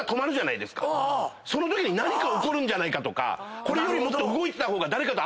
そのときに何か起こるんじゃないかとかこれよりもっと。